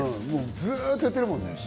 ずっとやってるもんね。